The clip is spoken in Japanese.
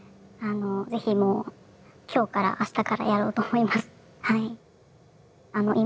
是非もう今日からあしたからやろうと思います。